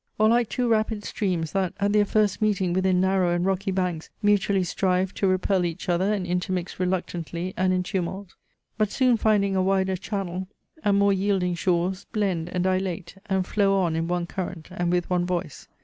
Or like two rapid streams, that, at their first meeting within narrow and rocky banks, mutually strive to repel each other and intermix reluctantly and in tumult; but soon finding a wider channel and more yielding shores blend, and dilate, and flow on in one current and with one voice.